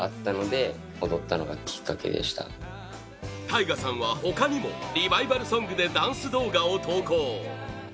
タイガさんは他にもリバイバルソングでダンス動画を投稿